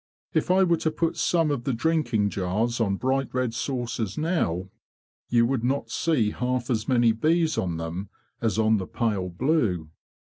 If I were to put some of the drinking jars on bright red saucers now, you would not see half as many bees on them as on the pale blue."